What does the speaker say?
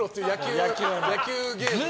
野球ゲームね。